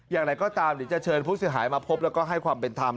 อย่างไรก็ตามเดี๋ยวจะเชิญผู้เสียหายมาพบแล้วก็ให้ความเป็นธรรม